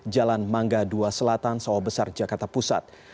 jalan mangga dua selatan sawah besar jakarta pusat